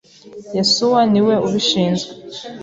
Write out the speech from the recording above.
Yesuwa niwe ubishinzwe.